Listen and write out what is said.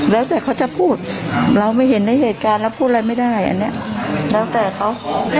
ตั้งแต่เขาจะพูดแล้วไม่เห็นในเหตุการณ์แล้วพูดอะไรไม่ได้อันเนี้ยตั้งแต่เขา